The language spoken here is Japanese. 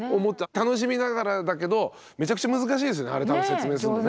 楽しみながらだけどめちゃくちゃ難しいですよねあれ説明するのね。